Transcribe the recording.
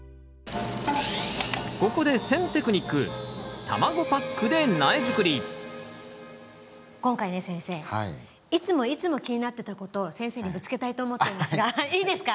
ここで選テクニック今回ね先生いつもいつも気になってたことを先生にぶつけたいと思っていますがいいですか？